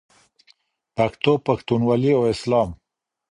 پښتو، پښتونولي او اسلام.